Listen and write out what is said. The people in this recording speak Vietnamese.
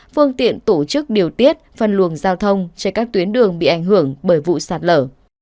phương tiện tổ chức điều tiết phân luồng giao thông trên các tuyến đường bị ảnh hưởng bởi vụ sạt lở